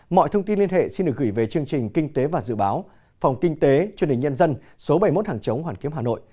mọi thông tin liên hệ xin được gửi về chương trình kinh tế và dự báo phòng kinh tế truyền hình nhân dân số bảy mươi một hàng chống hoàn kiếm hà nội